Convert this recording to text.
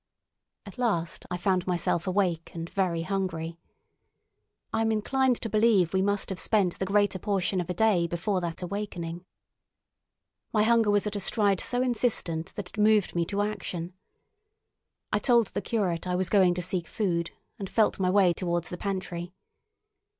... At last I found myself awake and very hungry. I am inclined to believe we must have spent the greater portion of a day before that awakening. My hunger was at a stride so insistent that it moved me to action. I told the curate I was going to seek food, and felt my way towards the pantry.